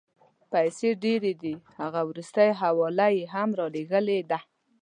پیسې ډېرې دي، هغه وروستۍ حواله یې هم رالېږلې ده.